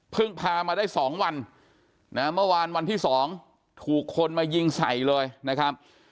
เพิ่งพามาได้สองวันนะเมื่อวานวันที่สองถูกคนมายิงใส่เลยนะครับ